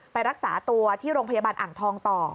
ไปรักษาตัวที่โรงพยาบาลอ่างทองต่อ